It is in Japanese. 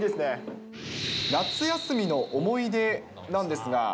夏休みの思い出なんですが。